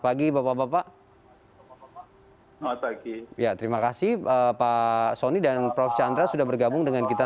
pagi bapak bapak bapak ya terima kasih bapak sony dan prof chandra sudah bergabung dengan kita